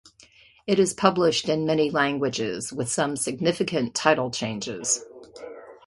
It is published in many languages with some significant title changes.